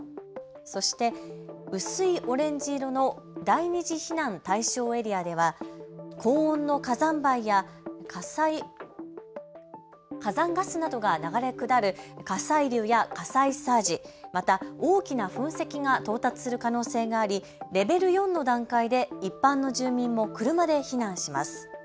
そして薄いオレンジ色の第２次避難対象エリアでは高温の火山灰や火山ガスなどが流れ下る火砕流や火砕サージ、また大きな噴石が到達する可能性がありレベル４の段階で一般の住民も車で避難します。